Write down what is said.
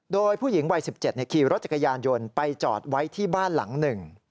โดยผู้หญิงวัย๑๗ขี่รถจักรยานยนต์ไปจอดไว้ที่บ้านหลังหนึ่ง